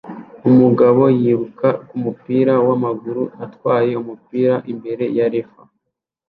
Umugabo yiruka kumupira wamaguru atwaye umupira imbere ya ref